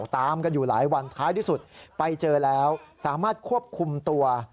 ตามกันอยู่หลายวันท้ายที่สุดไปเจอแล้วสามารถควบคุมตัว